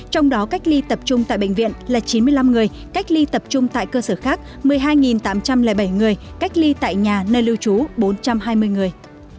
trong đó cách ly tập trung tại bệnh viện là chín mươi năm người cách ly tập trung tại cơ sở khác một mươi hai tám trăm linh bảy người cách ly tại nhà nơi lưu trú bốn trăm hai mươi người